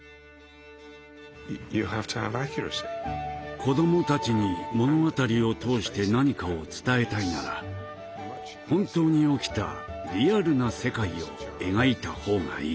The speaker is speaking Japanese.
子供たちに物語を通して何かを伝えたいなら本当に起きたリアルな世界を描いたほうがいい。